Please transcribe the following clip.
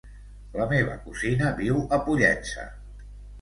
La meva cosina viu a Pollença.